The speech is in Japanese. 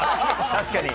確かに。